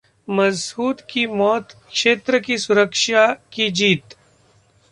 'महसूद की मौत क्षेत्र की सुरक्षा की जीत'